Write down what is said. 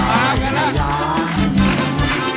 เป็นเพลงเก่งของคุณเต้เองนะครับ